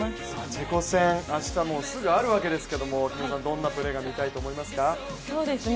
チェコ戦、明日すぐあるわけですけれどもどんなプレーが見たいと思いますか？